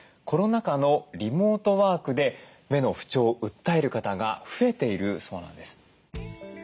コロナ禍のリモートワークで目の不調を訴える方が増えているそうなんです。